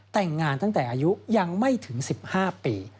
แต่งงานตั้งแต่อายุยังไม่ถึง๑๕ปี